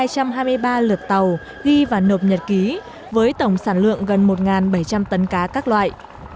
các tàu ghi và nộp nhật ký với tổng sản lượng gần một bảy trăm linh tấn cá các loại